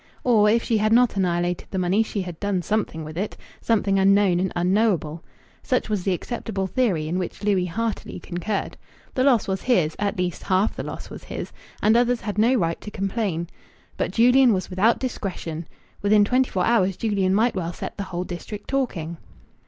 Or, if she had not annihilated the money, she had "done something" with it something unknown and unknowable. Such was the acceptable theory, in which Louis heartily concurred. The loss was his at least half the loss was his and others had no right to complain. But Julian was without discretion. Within twenty four hours Julian might well set the whole district talking.